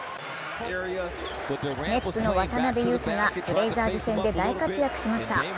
ネッツの渡邊雄太がブレイザーズ戦で大活躍しました。